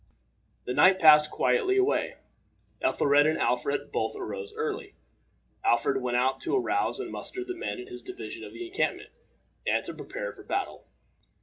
The night passed quietly away. Ethelred and Alfred both arose early. Alfred went out to arouse and muster the men in his division of the encampment, and to prepare for battle.